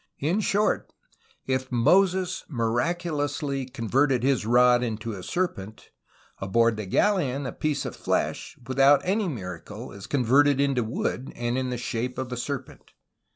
In short, if Moses miraculously con verted his rod into a se[r]pent; aboard the galeon a piece of flesh, without any miracle, is converted into wood, and in the shape of a serpent.